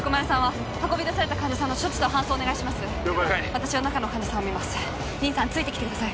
私は中の患者さんを診ますミンさんついてきてください